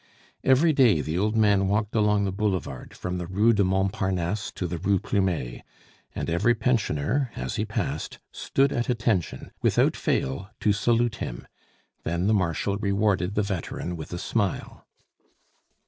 Every day the old man walked along the boulevard, from the Rue du Mont Parnasse to the Rue Plumet; and every pensioner as he passed stood at attention, without fail, to salute him: then the Marshal rewarded the veteran with a smile.